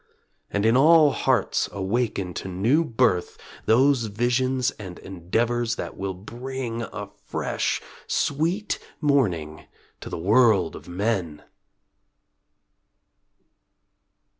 And, in all hearts, awaken to new birth Those visions and endeavors that will bring A fresh, sweet morning to the world of men!